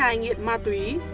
con trai nghiện ma túy